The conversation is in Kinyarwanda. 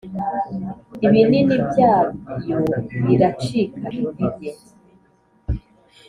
ibinini byayo biracika intege